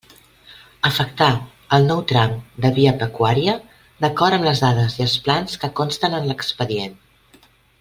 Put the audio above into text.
Afectar el nou tram de via pecuària d'acord amb les dades i els plans que consten en l'expedient.